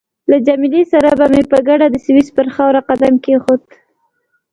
له جميله سره مې په ګډه د سویس پر خاوره قدم کېښود.